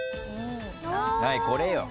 はいこれよ。